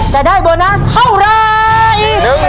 จะได้โบนัสเท่าไร